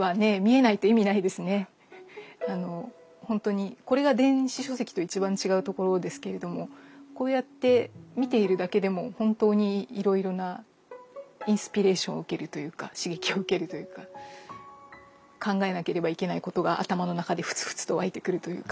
ほんとにこれが電子書籍と一番違うところですけれどもこうやって見ているだけでも本当にいろいろなインスピレーションを受けるというか刺激を受けるというか考えなければいけないことが頭の中でフツフツと湧いてくるというか。